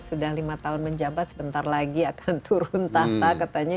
sudah lima tahun menjabat sebentar lagi akan turun tahta katanya